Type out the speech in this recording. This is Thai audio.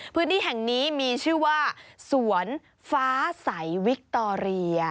พื้นที่แห่งนี้มีชื่อว่าสวนฟ้าใสวิคตอเรีย